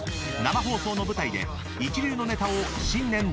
生放送の舞台で一流のネタを新年